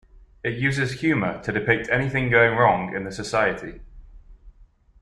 It uses humor to depict anything going wrong in the society.